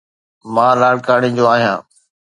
مان لاڙڪاڻي جو آھيان.